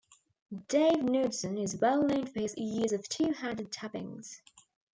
Dave Knudson is well known for his use of two-handed tapping.